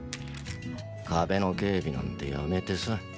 壁の警備なんてやめてさ。